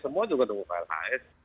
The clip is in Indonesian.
semua juga tunggu klhs